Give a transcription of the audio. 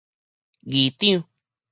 議長